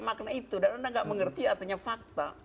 makna itu dan anda nggak mengerti artinya fakta